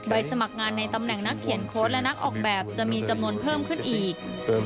สมัครงานในตำแหน่งนักเขียนโค้ดและนักออกแบบจะมีจำนวนเพิ่มขึ้นอีก